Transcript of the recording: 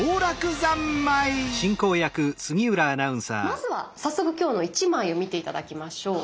まずは早速今日の１枚を見て頂きましょう。